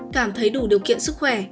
cảm thấy đủ điều kiện sức khỏe